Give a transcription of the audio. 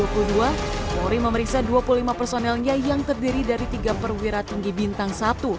polri memeriksa dua puluh lima personelnya yang terdiri dari tiga perwira tinggi bintang satu